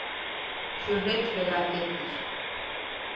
Şöhret felakettir.